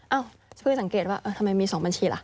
เอ้าเพิ่งสังเกตว่าทำไมมี๒บัญชีล่ะ